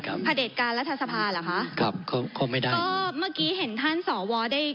พระเด็จการรัฐสภาเหรอคะครับก็ไม่ได้ก็เมื่อกี้เห็นท่านสวได้